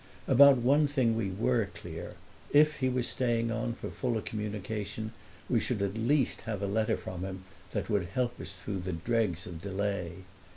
About one thing we were clear: if he was staying on for fuller communication we should at least have a letter from him that would help us through the dregs of delay.